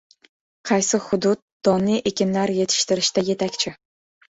Qaysi hudud donli ekinlar yetishtirishda yetakchi